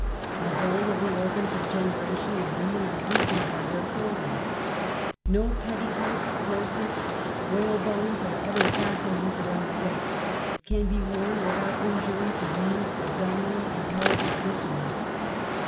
The whole of the organs of generation \ in women are weakened by their clothing, l^o petti coats, corsets, whalebones or any fastenings around the waist can be worn without injury to woman's \ abdominal and pelvic viscera.